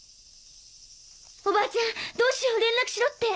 おばあちゃんどうしよう連絡しろって。